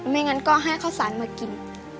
ไม่งั้นก็ให้ข้าวสารมากิน